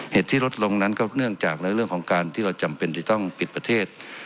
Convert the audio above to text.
เหตุที่ลดลงนั้นก็เนื่องจากในเรื่องของการที่เราจำเป็นที่ต้องปิดประเทศ